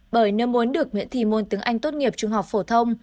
bởi nếu muốn được miễn thi môn tiếng anh tốt nghiệp trung học phổ thông